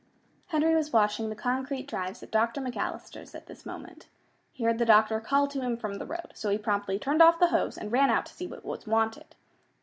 Henry was washing the concrete drives at Dr. McAllister's at this moment. He heard the doctor call to him from the road, so he promptly turned off the hose and ran out to see what was wanted.